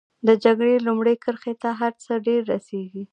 د جګړې لومړۍ کرښې ته هر څه ډېر رسېږي.